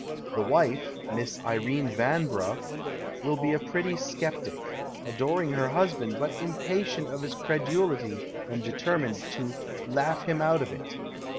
The wife (Miss Irene Vanbrugh) will be a pretty sceptic, adoring her husband, but impatient of his credulity and deter mined to " laugh him out " of it.